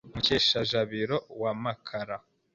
Mukeshajabiro wa Makara